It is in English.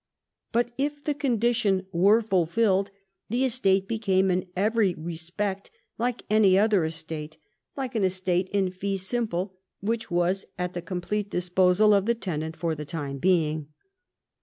But if the condition were fulfilled, the estate became in every respect like any other estate, like an estate in fee simple, which was at the complete disposal of the tenant for the time being.